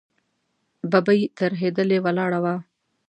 ببۍ ترهېدلې ولاړه وه.